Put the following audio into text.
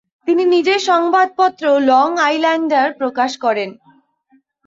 তিনি নিজের সংবাদপত্র লং আইল্যান্ডার প্রকাশ করেন।